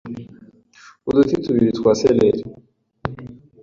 Uduti tubiri twa celeri